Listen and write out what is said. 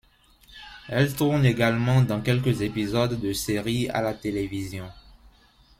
Elle tourne également dans quelques épisodes de séries à la télévision.